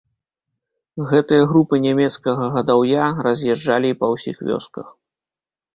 Гэтыя групы нямецкага гадаўя раз'язджалі і па ўсіх вёсках.